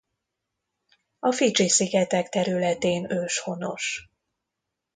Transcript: A Fidzsi-szigetek területén őshonos.